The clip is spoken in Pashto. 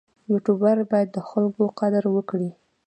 یوټوبر باید د خلکو قدر وکړي.